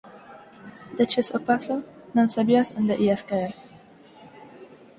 Deches o paso, non sabías onde ías caer.